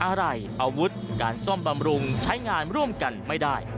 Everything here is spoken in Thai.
อะไรอาวุธการซ่อมบำรุงใช้งานร่วมกันไม่ได้